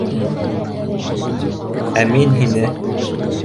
— Ә мин һине